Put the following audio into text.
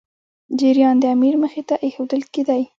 جریان د امیر مخي ته ایښودل کېدی.